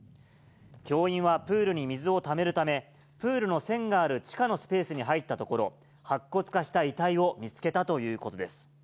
教員は、プールに水をためるため、プールの栓がある地下のスペースに入ったところ、白骨化した遺体を見つけたということです。